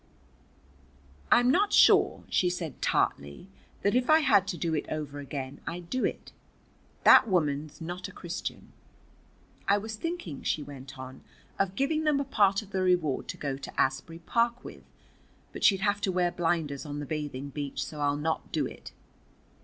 "I'm not sure," she said tartly, "that if I had it to do over again I'd do it. That woman's not a Christian. I was thinking," she went on, "of giving them a part of the reward to go to Asbury Park with. But she'd have to wear blinders on the bathing beach, so I'll not do it."